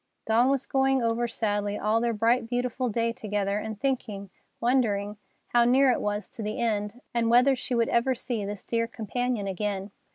Dawn was going over sadly all their bright beautiful day together, and thinking, wondering, how near it was to the end, and whether she would ever see this dear companion again.